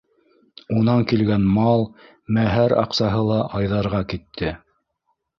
Унан килгән мал, мәһәр аҡсаһы ла Айҙарға китте.